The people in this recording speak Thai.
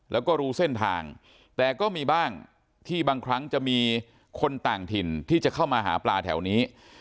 แล้วก็รู้เส้นทางแต่ก็มีบ้างที่บางครั้งจะมีคนต่างถิ่นที่จะเข้ามาหาปลาแถวนี้